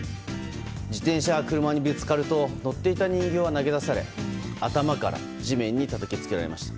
自転車が車にぶつかると乗っていた人形は投げ出され頭から地面にたたきつけられました。